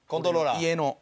家の。